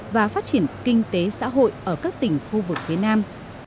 và phát triển kinh tế xã hội ở các tỉnh khu vực phía nam